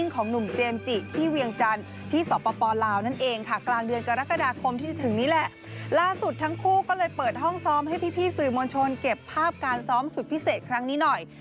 เก็บภาพการซ้อมสุดพิเศษครั้งนี้หน่อย